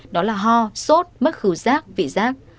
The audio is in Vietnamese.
đó là ho sốt mất khứ giác vị giác